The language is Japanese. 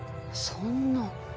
そんな。